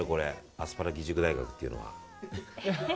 アスパラ義塾大学っていうのは。